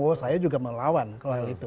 oh saya juga melawan hal itu